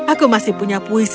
aku masih punya puisi yang menarik